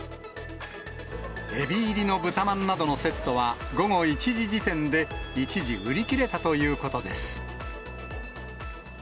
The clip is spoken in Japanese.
エビ入りの豚まんなどのセットは、午後１時時点で、一時売り切れたということです。